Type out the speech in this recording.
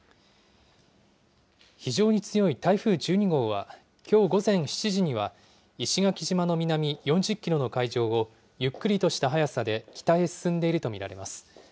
非常に強い台風１２号は、きょう午前７時には石垣島の南４０キロの海上をゆっくりとした速さで北へ進んでいると見られます。